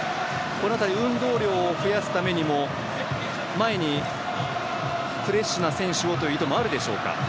この辺り運動量を増やすためにも前にフレッシュな選手をという意図もあるでしょうか？